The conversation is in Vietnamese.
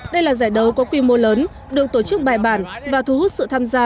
đây là giải đấu có quy mô lớn được tổ chức bài bản và thu hút sự tham gia